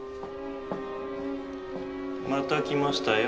また来ましたよ